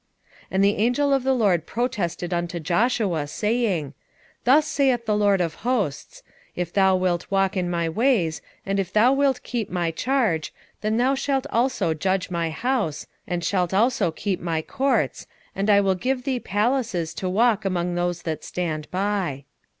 3:6 And the angel of the LORD protested unto Joshua, saying, 3:7 Thus saith the LORD of hosts; If thou wilt walk in my ways, and if thou wilt keep my charge, then thou shalt also judge my house, and shalt also keep my courts, and I will give thee places to walk among these that stand by.